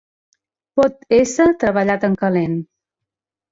Pot ésser treballat en calent.